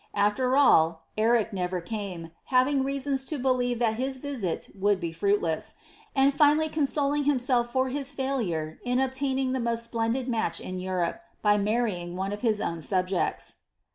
After all, Eric never came, having reasons to believe that his visit would be fruitless; and he finally consoled himself for his failure in obtaining the most splendid match in Europe, by marrying one of his own subjects.'